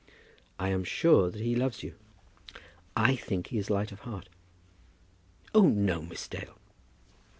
I am sure that he loves you." "I think he is light of heart." "Oh, no, Miss Dale."